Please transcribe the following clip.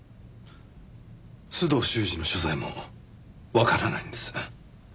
須藤修史の所在もわからないんです。